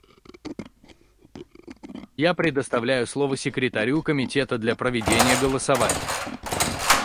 Я предоставляю слово секретарю Комитета для проведения голосования.